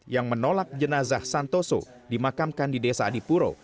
yang menolak jenazah santoso dimakamkan di desa adipuro